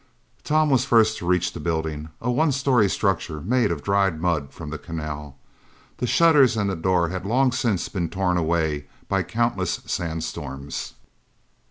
Tom was the first to reach the building, a one story structure made of dried mud from the canal. The shutters and the door had long since been torn away by countless sandstorms.